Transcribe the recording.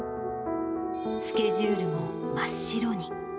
スケジュールも真っ白に。